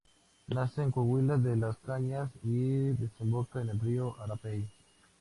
Nace en la Cuchilla de las Cañas y desemboca en el río Arapey.